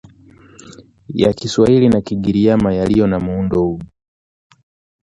ya Kiswahili na Kigiriama yaliyo na muundo huu